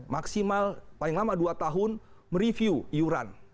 maksimal paling lama dua tahun mereview iuran